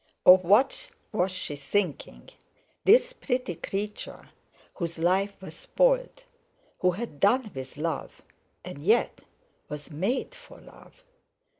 Of what was she thinking, this pretty creature whose life was spoiled; who had done with love, and yet was made for love?